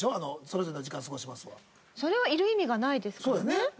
それはいる意味がないですからね。